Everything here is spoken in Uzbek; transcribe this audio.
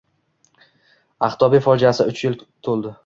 Aqtoʻbe fojiasiga uch yil toʻldi.